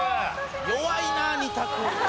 弱いな２択。